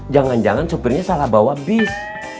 jangan jangan supirnya salah bawa bis